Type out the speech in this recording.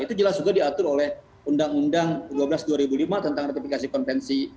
itu jelas juga diatur oleh undang undang dua belas dua ribu lima tentang ratifikasi konvensi